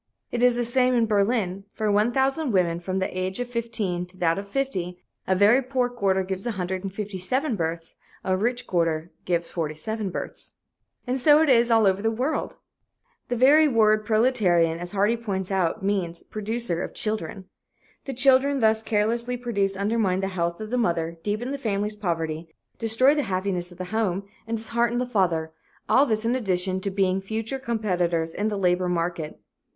"It is the same in Berlin. For 1,000 women from the age of fifteen to that of fifty, a very poor quarter gives 157 births; a rich quarter gives 47 births." And so it is the world over. The very word "proletarian," as Hardy points out, means "producer of children." The children thus carelessly produced undermine the health of the mother, deepen the family's poverty, destroy the happiness of the home, and dishearten the father; all this in addition to being future competitors in the labor market.